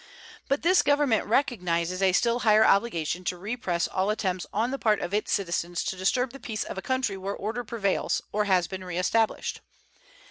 But this Government recognizes a still higher obligation to repress all attempts on the part of its citizens to disturb the peace of a country where order prevails or has been reestablished.